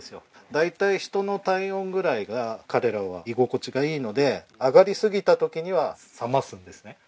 大体人の体温ぐらいが彼らは居心地がいいので上がりすぎた時には冷ますんですね。